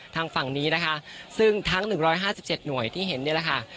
ทางฝั่งนี้นะคะซึ่งทั้งหนึ่งร้อยห้าสิบเจ็ดหน่วยที่เห็นนี่แหละค่ะ